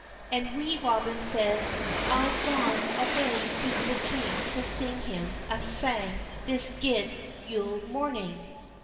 And Wee Robin says: "I'm gaun awa' to the king to sing him a sang this guid Yule morning."